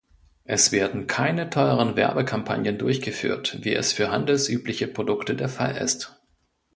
Es werden keine teuren Werbekampagnen durchgeführt, wie es für handelsübliche Produkte der Fall ist.